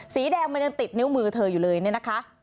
สีแดงมันยังติดนิ้วมือเธออยู่เลยเนี่ยนะคะ